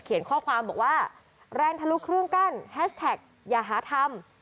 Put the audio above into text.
ข้อความบอกว่าแรงทะลุเครื่องกั้นแฮชแท็กอย่าหาทำ